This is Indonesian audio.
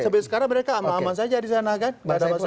sampai sekarang mereka aman aman saja di sana kan